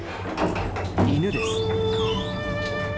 犬です。